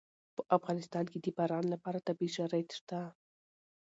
په افغانستان کې د باران لپاره طبیعي شرایط شته.